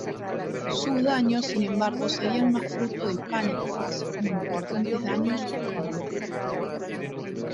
Sus daños sin embargo serían más fruto del pánico así como importantes daños económicos.